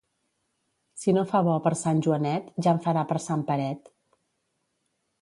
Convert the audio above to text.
Si no fa bo per Sant Joanet, ja en farà per Sant Peret.